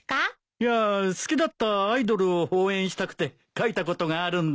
いや好きだったアイドルを応援したくて書いたことがあるんだ。